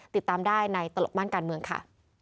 ติดตามได้ในตลกม่านการเมืองค่ะ